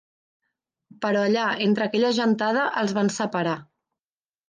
Però allà, entre aquella gentada, els van separar.